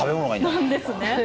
なんですね。